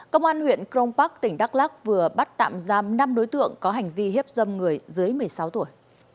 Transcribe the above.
công an huyện crong park tỉnh đắk lắc vừa bắt tạm giam năm đối tượng có hành vi hiếp dâm người dưới một mươi sáu tuổi